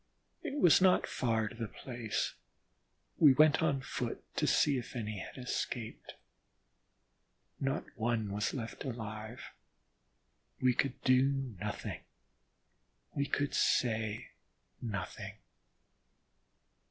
It was not far to the place: we went on foot to see if any had escaped. Not one was left alive. We could do nothing we could say nothing.